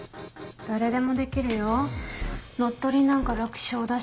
誰でもできるよ乗っ取りなんか楽勝だし。